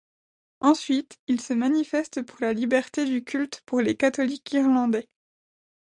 Ensuite, il se manifeste pour la liberté du culte pour les catholiques irlandais.